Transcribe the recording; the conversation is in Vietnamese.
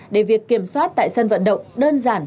để việc kiểm soát tại sân vận động đơn giản